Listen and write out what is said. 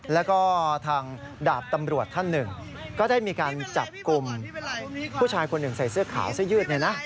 แล้วก็ทางดาบตำรวจท่านหนึ่งก็ได้มีการจับกลุ่มผู้ชายคนหนึ่งใส่เสื้อขาวเสื้อยืดเนี่ยนะ